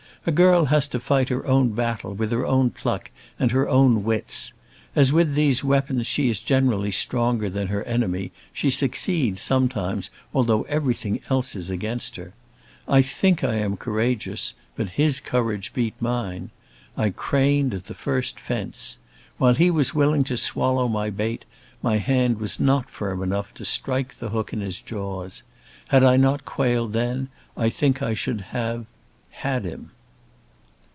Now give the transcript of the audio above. A girl has to fight her own battle with her own pluck and her own wits. As with these weapons she is generally stronger than her enemy, she succeeds sometimes although everything else is against her. I think I am courageous, but his courage beat mine. I craned at the first fence. When he was willing to swallow my bait, my hand was not firm enough to strike the hook in his jaws. Had I not quailed then I think I should have 'had him'."